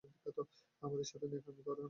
আমার সাথে নেকামি করবে না চার্লেট।